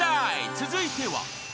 続いては］